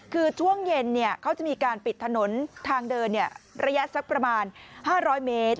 คือช่วงเย็นเขาจะมีการปิดถนนทางเดินระยะสักประมาณ๕๐๐เมตร